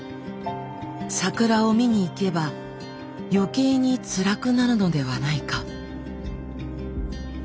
桜を見に行けば余計につらくなるのではないか。